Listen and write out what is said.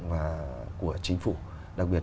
và của chính phủ đặc biệt